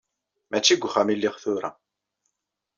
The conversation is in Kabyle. Mačči deg wexxam i lliɣ tura.